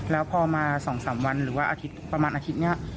แล้วพอมา๒๓วันหรือว่าอาทิตย์ประมาณอาทิตย์นี้